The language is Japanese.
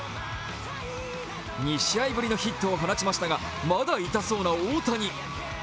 ２試合ぶりのヒットを放ちましたがまだ痛そうな大谷。